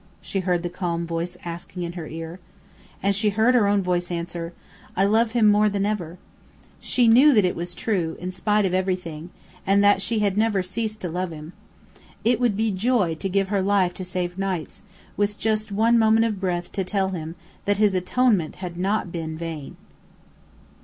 she heard the calm voice asking in her ear. And she heard her own voice answer: "I love him more than ever." She knew that it was true, true in spite of everything, and that she had never ceased to love him. It would be joy to give her life to save Knight's, with just one moment of breath to tell him that his atonement had not been vain.